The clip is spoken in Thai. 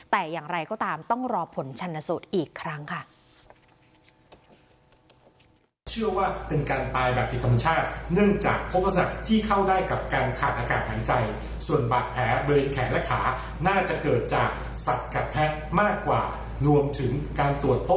แต่อย่างไรก็ตามต้องรอผลชนสูตรอีกครั้งค่ะ